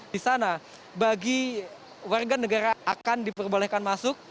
di sana bagi warga negara akan diperbolehkan masuk